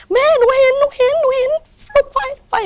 แม่หนูเห็นหนูเห็นไฟ